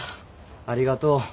ありがとう。